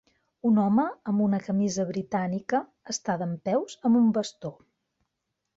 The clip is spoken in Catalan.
Un home amb una camisa britànica està dempeus amb un bastó.